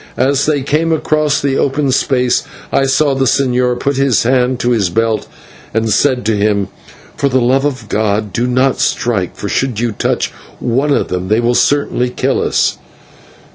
As they came across the open space I saw the señor put his hand to his belt, and said to him: "For the love of God! do not strike, for should you touch one of them they will certainly kill us."